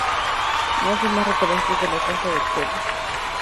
No hace más referencias de la traza del pueblo.